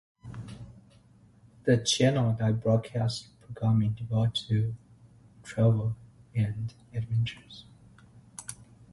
The channel broadcasts programming devoted to travel and adventure.